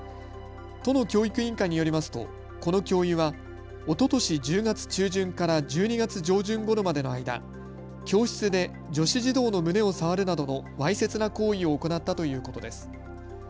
都の教育委員会によりますとこの教諭はおととし１０月中旬から１２月上旬ごろまでの間、教室で女子児童の胸を触るなどのわいせつな行為を行ったということです。